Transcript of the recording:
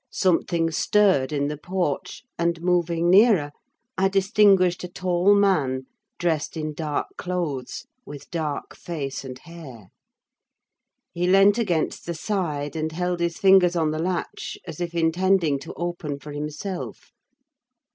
Something stirred in the porch; and, moving nearer, I distinguished a tall man dressed in dark clothes, with dark face and hair. He leant against the side, and held his fingers on the latch as if intending to open for himself.